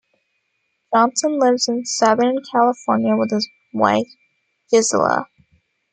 Johnson lives in Southern California with his wife, Gisela.